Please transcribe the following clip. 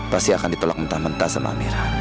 pasti akan ditolak mentah mentah sama amir